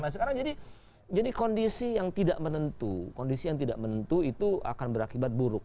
nah sekarang jadi kondisi yang tidak menentu kondisi yang tidak menentu itu akan berakibat buruk